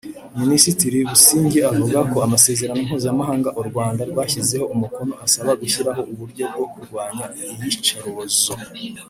Minisitiri Busingye avuga ko amasezerano mpuzamahanga u Rwanda rwashyizeho umukono asaba gushyiraho uburyo bwo kurwanya iyicarubozo